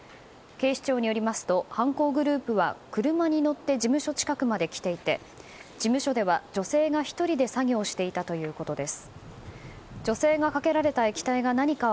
警視庁によりますと犯行グループは車に乗って事務所近くまで来ていて事務所では女性が１人で作業をしていたということです。